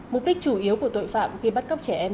mục đích chủ yếu của tội phạm khi bắt cóc trẻ em